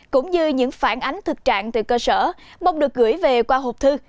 cũng như những phản ánh thực trạng từ cơ sở mong được gửi về qua hộp thư